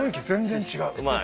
全然違う。